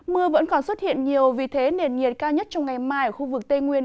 mưa vẫn còn xuất hiện nhiều vì thế nền nhiệt cao nhất trong ngày mai ở khu vực tây nguyên